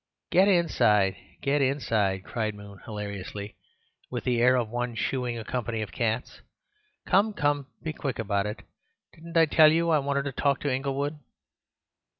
"Get inside! get inside!" cried Moon hilariously, with the air of one shooing a company of cats. "Come, come, be quick about it! Didn't I tell you I wanted to talk to Inglewood?"